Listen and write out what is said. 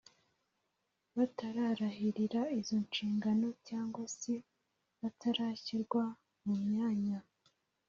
batararahirira izo nshingano cyangwa se batarashyirwa mu myanya